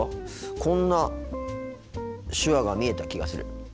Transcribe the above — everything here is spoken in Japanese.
こんな手話が見えた気がする。